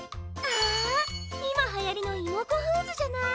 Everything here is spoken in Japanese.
あいまはやりのイモコフーズじゃない！